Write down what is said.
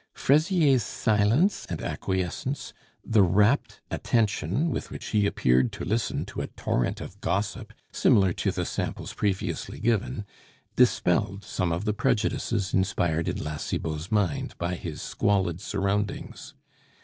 Fraisier's silence and acquiescence, the rapt attention with which he appeared to listen to a torrent of gossip similar to the samples previously given, dispelled some of the prejudices inspired in La Cibot's mind by his squalid surroundings.